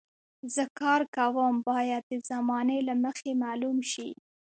زه کار کوم باید د زمانې له مخې معلوم شي.